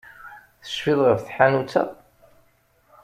Tecfiḍ ɣef tḥanut-a?